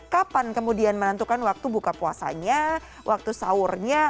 kapan kemudian menentukan waktu buka puasanya waktu sahurnya